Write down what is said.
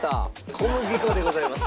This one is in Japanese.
小麦粉でございます。